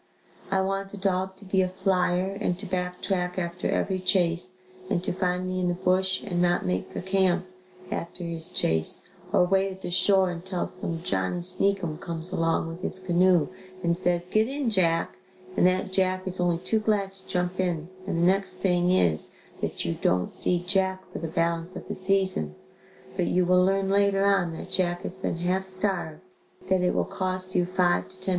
I want a dog to be a flyer and to back track after every chase and to find me in the bush and not make for camp after his chase or wait at the shore until some "Johnny Sneakum" comes along with his canoe and says, "Get in Jack," and that Jack is only too glad to jump in and the next thing is that you don't see Jack for the balance of the season, but you will learn later on that Jack has been half starved that it will cost you $5.00 to $10.